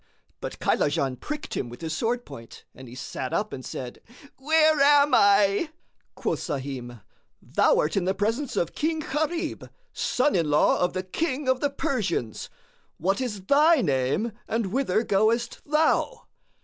But Kaylajan pricked him with his sword point and he sat up and said, "Where am I?" Quoth Sahim, "Thou art in the presence of King Gharib, son in law of the King of the Persians. What is thy name and whither goest thou?"